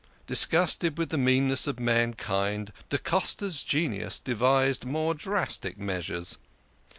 Disgusted with the meanness of mankind, da Costa's genius devised more drastic measures.